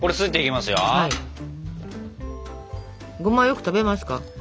ごまよく食べますか？